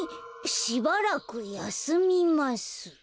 「しばらく休みます」。